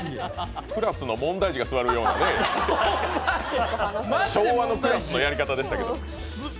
クラスの問題児が座るようなね、昭和のクラスのやり方でしたけど。